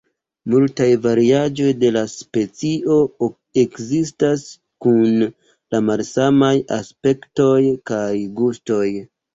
Multaj variaĵoj de la specio ekzistas, kun malsamaj aspektoj kaj gustoj.